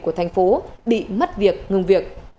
của thành phố bị mất việc ngừng việc